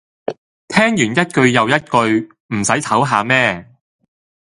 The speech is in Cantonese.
聽完一句又一句，唔洗唞吓咩